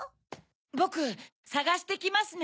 ボクさがしてきますね。